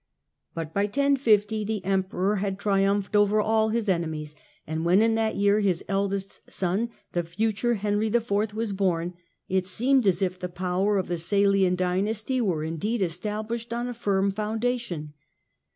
But by 1050 the Emperor had triumphed over all his enemies, and when in that year his eldest son, the future Henry IV., was born, it seemed as if the power of the Salian dynasty were indeed estab lished on a firm foundation.